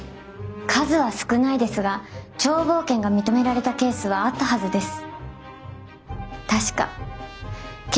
数は少ないですが眺望権が認められたケースはあったはずです。